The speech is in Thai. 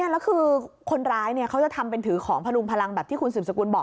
แล้วคือคนร้ายเขาจะทำเป็นถือของพลุงพลังแบบที่คุณสืบสกุลบอก